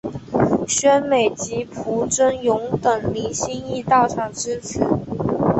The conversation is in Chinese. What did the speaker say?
宣美及朴轸永等明星亦到场支持。